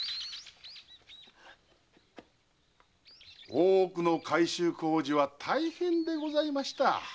大奥の改修工事は大変でした。